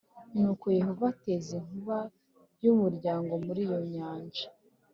nuko yehova ateza inkuba y umuyaga muri iyo nyanja